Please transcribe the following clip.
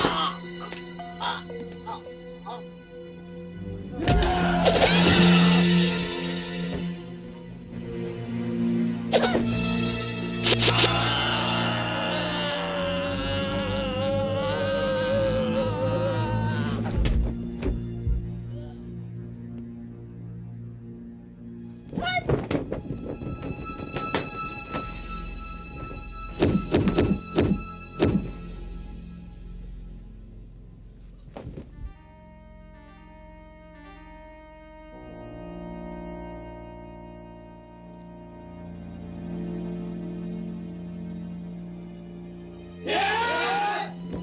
anggini jangan ditembak bagianku